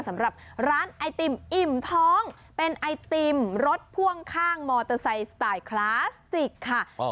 สำหรับร้านไอติมอิ่มท้องเป็นไอติมรถพ่วงข้างมอเตอร์ไซค์สไตล์คลาสสิกค่ะ